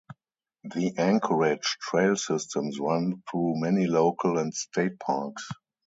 The Anchorage Trail Systems run through many local and state parks.